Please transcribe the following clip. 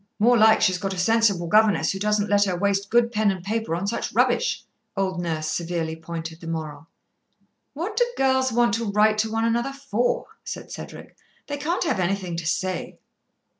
"More like she's got a sensible governess who doesn't let her waste good pen and paper on such rubbish," old Nurse severely pointed the moral. "What do girls want to write to one another for?" said Cedric. "They can't Have anything to say."